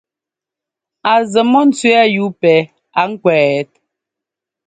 A zɛ mɔ́ ńtsẅɛ́ɛ yúu pɛ a ŋkwɛt ?